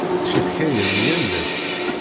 Tecetkayem yal ass.